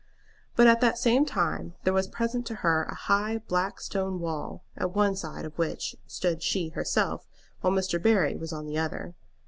But at the same time there was present to her a high, black stone wall, at one side of which stood she herself while Mr. Barry was on the other.